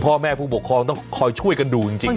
พ่อแม่ผู้ปกครองต้องคอยช่วยกันดูจริง